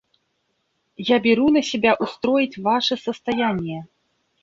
Я беру на себя устроить ваше состояние».